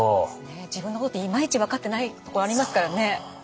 自分のこといまいち分かってないとこありますからね。